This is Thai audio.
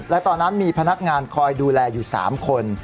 และตอนนั้นมีพนักงานคอยดูแลอยู่๓คน